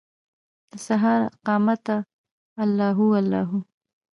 دسهار داقامته الله هو، الله هو